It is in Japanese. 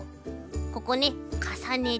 ここねかさねて。